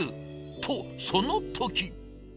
と、そのとき！